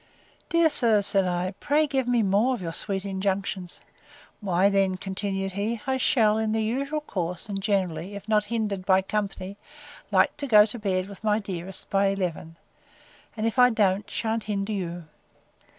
Dear sir, said I, pray give me more of your sweet injunctions. Why then, continued he, I shall, in the usual course, and generally, if not hindered by company, like to go to bed with my dearest by eleven; and, if I don't, shan't hinder you.